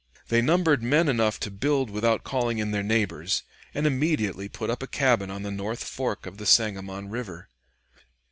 They numbered men enough to build without calling in their neighbors, and immediately put up a cabin on the north fork of the Sangamon River.